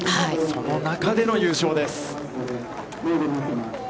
その中での優勝です。